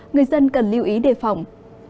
người dân cần lưu ý đề phòng